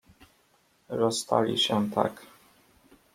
"Rozstali się tak..."